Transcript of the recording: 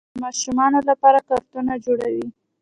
د ماشومانو لپاره کارتونونه جوړوي.